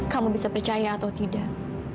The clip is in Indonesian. kamu bisa percaya atau tidak